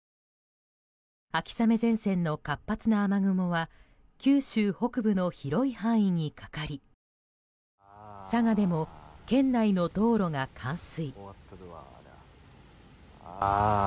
秋雨前線の活発な雨雲は九州北部の広い範囲にかかり佐賀でも県内の道路が冠水。